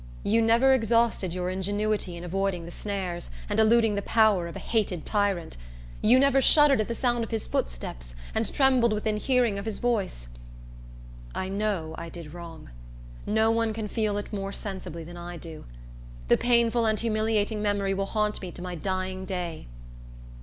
You never exhausted your ingenuity in avoiding the snares, and eluding the power of a hated tyrant; you never shuddered at the sound of his footsteps, and trembled within hearing of his voice. I know I did wrong. No one can feel it more sensibly than I do. The painful and humiliating memory will haunt me to my dying day.